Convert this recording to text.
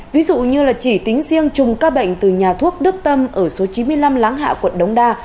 ví dụ như chỉ tính riêng chung ca bệnh từ nhà thuốc đức tâm ở số chín mươi năm láng hạ quận đông đa